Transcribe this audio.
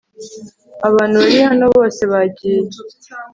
abantu bari hano bose bagiye